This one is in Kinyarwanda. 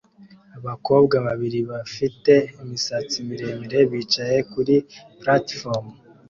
Abakobwa babiri bafite imisatsi miremire bicaye kuri platifomu